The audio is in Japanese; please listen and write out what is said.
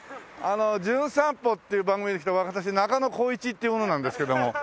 『じゅん散歩』っていう番組で来た私中野浩一っていう者なんですけども。